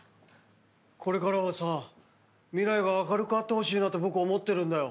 「これからはさ未来が明るくあってほしいなと僕思ってるんだよ。